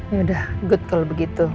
yaudah good kalau begitu